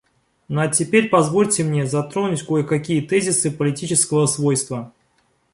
Ну а теперь позвольте мне затронуть кое-какие тезисы политического свойства.